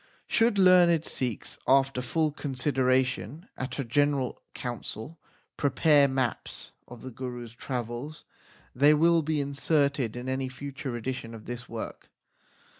Should learned Sikhs, after full consideration at a general council, prepare maps of the Gurus travels, they will be inserted in any future edition of this work.